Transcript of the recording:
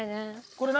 これ何？